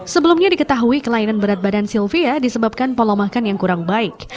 sebelumnya diketahui kelainan berat badan sylvia disebabkan pola makan yang kurang baik